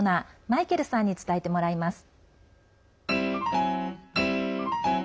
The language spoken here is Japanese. マイケルさんに伝えてもらいます。